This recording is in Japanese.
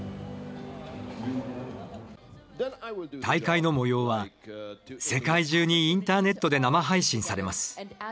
大会の模様は世界中にインターネットで生配信されます。